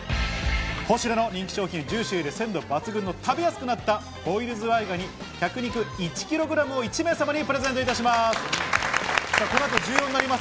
ポシュレの人気商品、ジューシーで鮮度抜群の「食べやすくなったボイルズワイガニ脚肉１ｋｇ」を１名様にプレゼントいたします。